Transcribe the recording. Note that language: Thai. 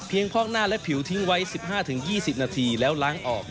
พอกหน้าและผิวทิ้งไว้๑๕๒๐นาทีแล้วล้างออก